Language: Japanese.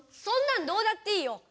そんなのどうだっていいよ！